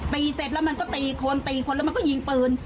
เสร็จแล้วมันก็ตีคนตีคนแล้วมันก็ยิงปืน